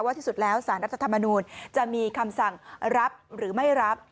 ที่สุดแล้วสารรัฐธรรมนูลจะมีคำสั่งรับหรือไม่รับ